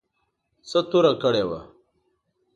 څه توره کړې وه.